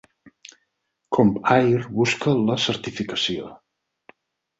Comp Air busca la certificació.